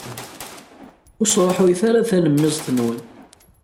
Ur sṛuḥuyet ara talemmiẓt-nwen.